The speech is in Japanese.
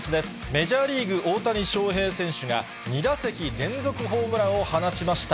メジャーリーグ、大谷翔平選手が、２打席連続ホームランを放ちました。